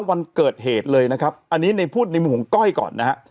วันเกิดเหตุเลยนะครับอันนี้ในพูดในมุมของก้อยก่อนนะฮะ